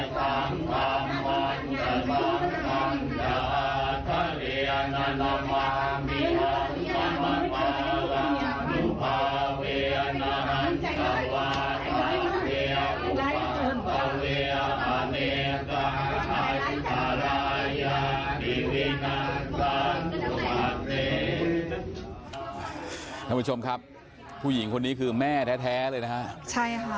ท่านผู้ชมครับผู้หญิงคนนี้คือแม่แท้เลยนะฮะใช่ค่ะ